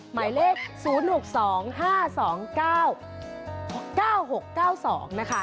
หมายเลข๐๖๒๕๒๙๙๖๙๒นะคะ